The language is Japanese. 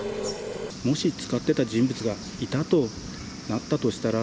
もし使ってた人物がいたとなったとしたら。